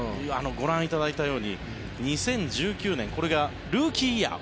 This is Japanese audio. ご覧いただいているように２０１９年これがルーキーイヤー。